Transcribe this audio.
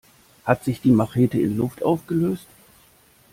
Hat sich die Machete in Luft aufgelöst?